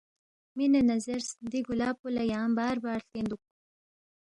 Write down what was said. مِنے نہ زیرس، دی گُلاب پو لہ یانگ باربار ہلتین دُوک